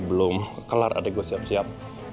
belum kelar adek gue siap siap